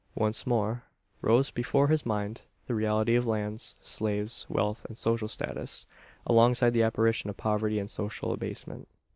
Once more rose before his mind the reality of lands, slaves, wealth, and social status alongside, the apparition of poverty and social abasement.